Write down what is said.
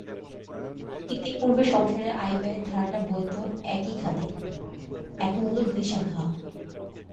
ইতিপূর্বে সংসারে আয়ব্যয়ের ধারাটা বইত একই খাদে, এখন হল দুই শাখা।